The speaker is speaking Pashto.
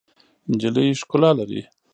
نجلۍ ښکلا لري.